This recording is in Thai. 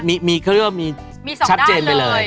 มันมีเครื่องมีชัดเจนไปเลย